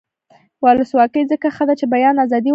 ولسواکي ځکه ښه ده چې د بیان ازادي ورکوي.